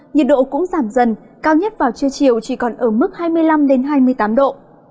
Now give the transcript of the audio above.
nhiệt độ cũng giảm dần cao nhất vào trưa chiều chỉ còn ở mức hai mươi năm hai mươi tám độ